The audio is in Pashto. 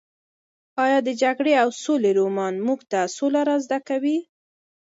ایا د جګړې او سولې رومان موږ ته سوله را زده کوي؟